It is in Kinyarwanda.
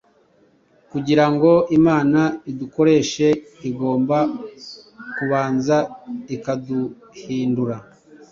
Kugira ngo Imana idukoreshe, igomba kubanza ikaduhindura.